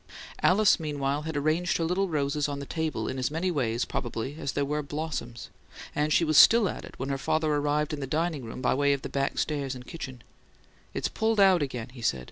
Alice, meanwhile, had arranged her little roses on the table in as many ways, probably, as there were blossoms; and she was still at it when her father arrived in the dining room by way of the back stairs and the kitchen. "It's pulled out again," he said.